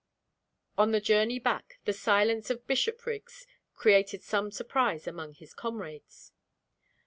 On the journey back the silence of Bishopriggs created some surprise among his comrades.